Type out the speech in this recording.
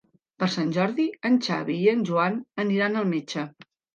Per Sant Jordi en Xavi i en Joan aniran al metge.